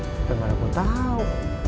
gak ada yang mau tau